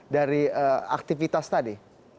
dari aktivitas tadi